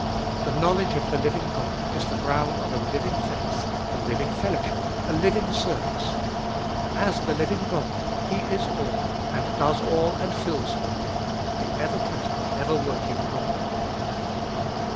The know 308 Ube f)olie0t of ail ledge of the living God is the ground of a living faith, a living fellowship, a living service. As the living God, He is all, and does all and fills all — the ever present, ever working God.